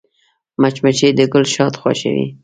مچمچۍ د ګل شات خوښوي